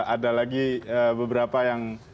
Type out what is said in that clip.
ada lagi beberapa yang